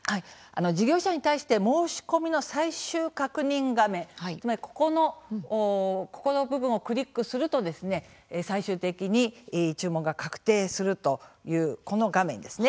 事業者に対して申し込みの最終確認画面つまり、ここの部分をクリックすると最終的に注文が確定するというこの画面ですね。